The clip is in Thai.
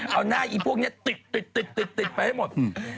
เอาหน้าอีพวกนี้ติดไปให้หมด